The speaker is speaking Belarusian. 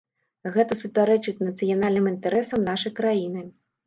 Гэта супярэчыць нацыянальным інтарэсам нашай краіны.